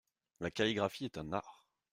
La calligraphie est un art !